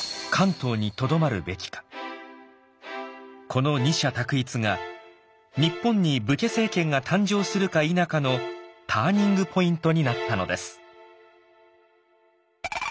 この二者択一が日本に武家政権が誕生するか否かのターニングポイントになったのです。